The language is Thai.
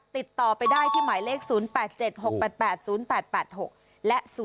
ติดต่อไปได้ที่หมายเลข๐๘๗๖๘๘๐๘๘๖และ๐๘